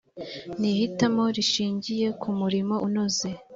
ni ihitamo rishingiye ku murimo unoze